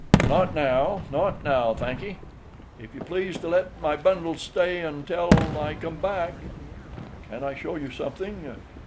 "Not now, not now, thankee. If you please to let my bundles stay untell I come back—" "Can't I show you something?